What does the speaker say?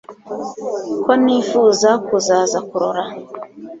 ko nifuza kuzaza kurora